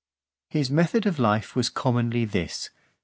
XXI. His method of life was commonly this.